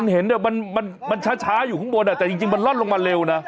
เห็นเนี่ยมันช้าอยู่ข้างบนแต่จริงมันล่อนลงมาเร็วนะ